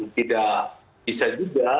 tidak bisa juga